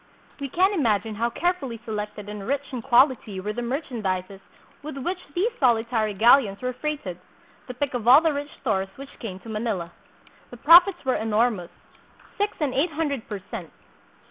We can imagine how carefully selected and rich in quality were the merchandises with which these solitary galleons were freighted, the pick of all the rich stores which came to Manila. The profits were enormous, six and eight hundred per cent.